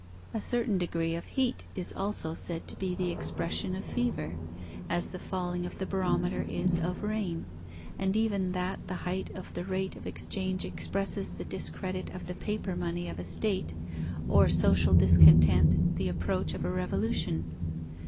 A certain degree of heat is also said to be the expression of fever, as the falling of the barometer is of rain, and even that the height of the rate of exchange expresses the discredit of the paper money of a State, or social discontent the approach of a revolution.